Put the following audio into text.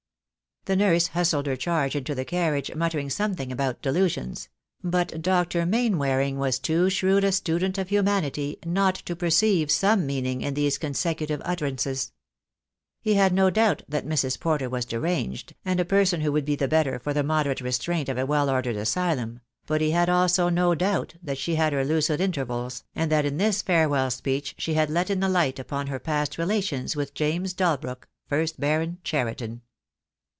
The nurse hustled her charge into the carriage, mut tering something about "delusions"; but Dr. Mainwaring was too shrewd a student of humanity not to perceive some meaning in these consecutive utterances. He had no doubt that Mrs. Porter was deranged, and a person who would be the better for the moderate restraint of a well ordered asylum: but he had also no doubt that she had her lucid intervals, and that in this farewell speech she had let in the light upon her past relations with James Dalbrook, first Baron Cheriton.